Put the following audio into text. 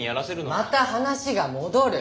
また話が戻る！